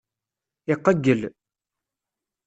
Iqeyyel.